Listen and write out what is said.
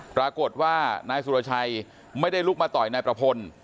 ปรากฏว่านายสุรชัยไม่ได้ลุกมาต่อยนายประพล